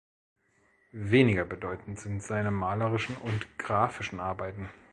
Weniger bedeutend sind seine malerischen und grafischen Arbeiten.